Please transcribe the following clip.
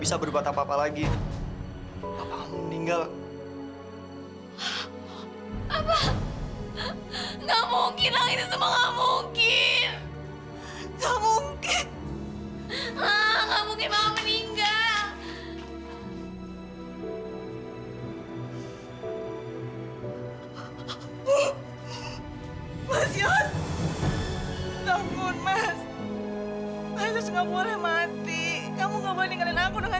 sampai jumpa di video selanjutnya